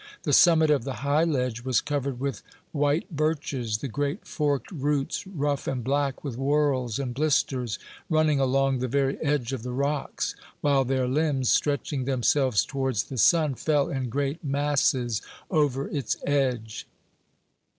The summit of the high ledge was covered with white birches, the great forked roots, rough and black with whorls and blisters, running along the very edge of the rocks, while their limbs, stretching themselves towards the sun, fell in great masses over its edge.